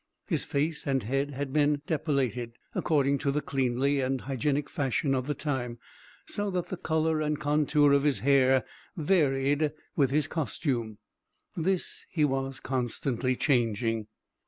His face and head had been depilated, according to the cleanly and hygienic fashion of the time, so that the colour and contour of his hair varied with his costume. This he was constantly changing.